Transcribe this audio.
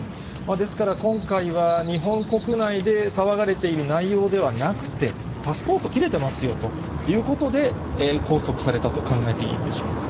ですから、今回は日本国内で騒がれている内容ではなくて、パスポート切れてますよということで、拘束されたと考えていいんでしょうか。